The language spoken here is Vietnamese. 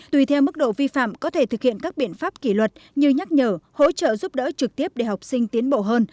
hai nghìn hai mươi tùy theo mức độ vi phạm có thể thực hiện các biện pháp kỷ luật như nhắc nhở hỗ trợ giúp đỡ trực tiếp để học sinh tiến bộ hơn